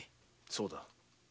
そうだ。